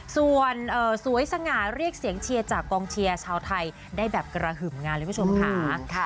ส่วนสวยสง่าเรียกเสียงเชียร์จากกองเชียร์ชาวไทยได้แบบกระหึ่มงานเลยคุณผู้ชมค่ะ